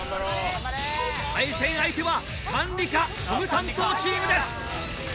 対戦相手は管理課庶務担当チームです。